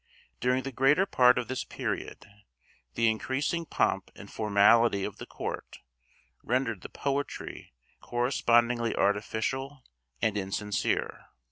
During the greater part of this period the increasing pomp and formality of the court rendered the poetry correspondingly artificial and insincere.